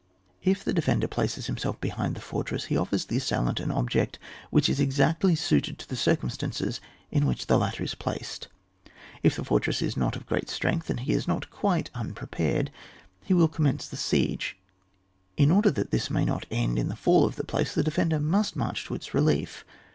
If the defender places himself behind the fortress, he offers the assailant an object which is exactly suited to the cir cumstances in which the latter is placed. If the fortress is not of great strength, and he is not quite unprepared, he will commence the siege : in order that this may not end in the fall of the place, the defender must march to its relief.